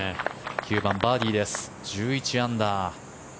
９番バーディーです１１アンダー。